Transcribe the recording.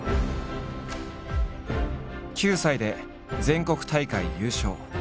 ９歳で全国大会優勝。